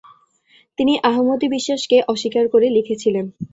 তিনি আহমদী বিশ্বাসকে অস্বীকার করে লিখেছিলেন।